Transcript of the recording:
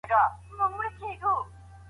د پیغمبر لارښوونې په پام کي ونیسئ.